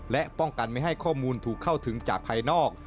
และป้องกันไม่ให้ข้อมูลถูกเข้าถึงจากภายนอก